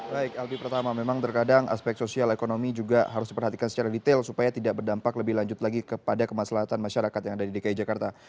baik albi pertama memang terkadang aspek sosial ekonomi juga harus diperhatikan secara detail supaya tidak berdampak lebih lanjut lagi kepada kemaslahan masyarakat yang ada di dki jakarta